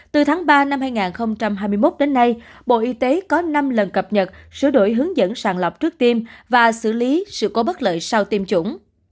từ tháng ba năm hai nghìn hai mươi một đến nay bộ y tế có năm lần cập nhật sửa đổi hướng dẫn sàng lọc trước tiên và xử lý sự cố bất lợi sau tiêm chủng